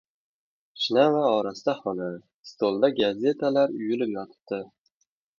Shinam va orasta xona, stolda gazetalar uyulib yotibdi.